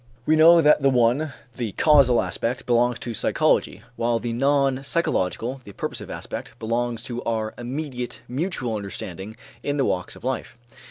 We know that the one, the causal aspect, belongs to psychology, while the non psychological, the purposive aspect, belongs to our immediate mutual understanding in the walks of life.